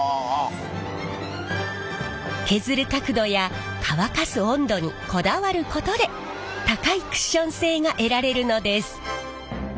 削る角度や乾かす温度にこだわることで高いクッション性が得られるのです。